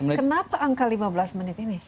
lima belas menit kenapa angka lima belas menit ini